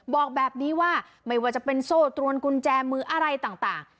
บอกแบบนี้ว่าไม่ว่าจะเป็นโซ่ตรวนกุญแจมืออะไรต่าง